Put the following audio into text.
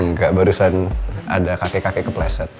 enggak barusan ada kakek kakek kepleset